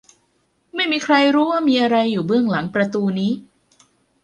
ไม่มีใครรู้ว่ามีอะไรอยู่เบื้องหลังประตูนี้